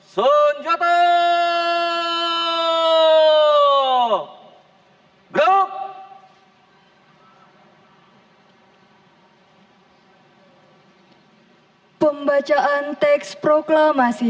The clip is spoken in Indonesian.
persiapan pembacaan teks proklamasi